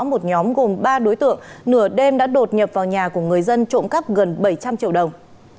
một nhóm gồm ba đối tượng nửa đêm đã đột nhập vào nhà của người dân trộm cắp gần bảy trăm linh triệu đồng